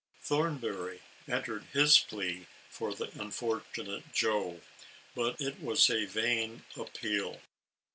Thornbury entered his plea for the unfortunate Joe, but it was a vain, appeal.